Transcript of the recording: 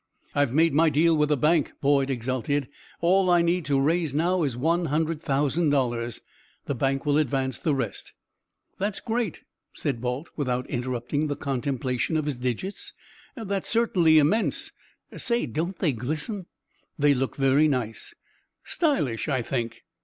"I have made my deal with the bank," Boyd exulted. "All I need to raise now is one hundred thousand dollars. The bank will advance the rest." "That's great," said Balt, without interrupting the contemplation of his digits. "That's certainly immense. Say! Don't they glisten?" "They look very nice " "Stylish! I think."